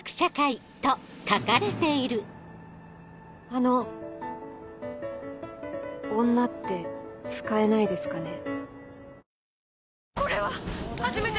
あの「女」って使えないですかね？